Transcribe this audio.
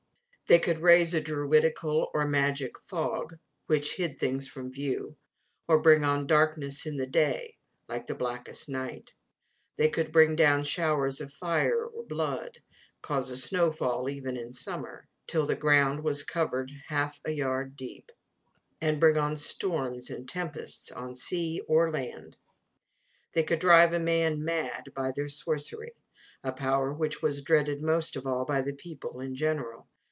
They could raise a druidical or magic fog, which hid things from view, or bring on darkness in the day, like the blackest night; they could bring down showers of fire or blood, cause a snowfall even in summer, till the ground was covered half a yard deep; and bring on storms and tempests on sea or land. They could drive a man mad by their sorcery a power which was dreaded most of all by the people in general.